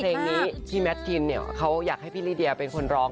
เพลงนี้ที่แมทกินเนี่ยเขาอยากให้พี่ลิเดียเป็นคนร้อง